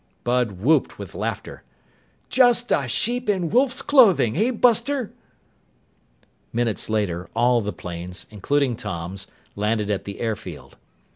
Bud whooped with laughter. "Just a sheep in wolf's clothing, eh, buster?" Minutes later, all the planes, including Tom's, landed at the airfield.